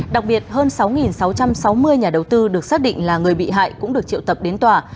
đặc biệt hơn sáu sáu trăm sáu mươi nhà đầu tư được xác định là người bị hại cũng được triệu tập đến tòa